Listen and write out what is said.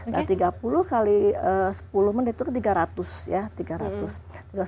nah tiga puluh kali sepuluh menit itu tiga ratus ya